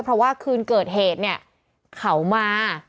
เพราะว่าคืนเกิดเหตุเขามา